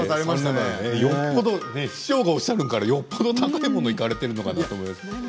師匠がおっしゃるからよっぽど高いものに行かれてるのかなって。